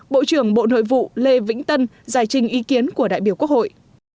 bộ trưởng bộ nội vụ lê vĩnh tân giải trình ý kiến của đại biểu quốc hội